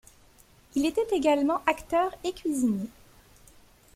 Il était également acteur et cuisinier.